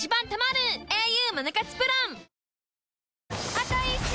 あと１周！